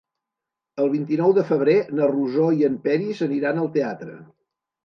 El vint-i-nou de febrer na Rosó i en Peris aniran al teatre.